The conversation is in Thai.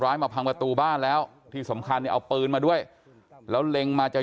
มาพังประตูบ้านแล้วที่สำคัญเนี่ยเอาปืนมาด้วยแล้วเล็งมาจะ